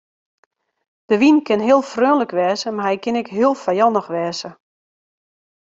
De wyn kin heel freonlik wêze mar hy kin ek heel fijannich wêze.